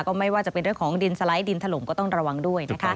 ไม่ว่าจะเป็นเรื่องของดินสไลด์ดินถล่มก็ต้องระวังด้วยนะคะ